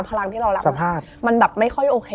พลังที่เรารักมันแบบไม่ค่อยโอเค